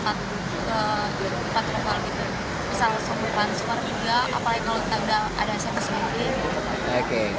bisa langsung di transfer juga apalagi kalau kita udah ada service lagi